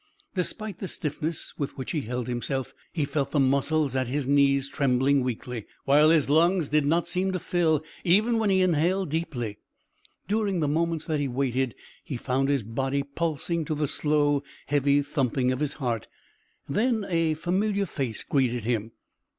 Despite the stiffness with which he held himself, he felt the muscles at his knees trembling weakly, while his lungs did not seem to fill, even when he inhaled deeply. During the moments that he waited he found his body pulsating to the slow, heavy thumping of his heart; then a familiar face greeted him.